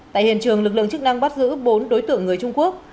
tại hiện trường lực lượng chức năng bắt giữ bốn đối tượng người trung quốc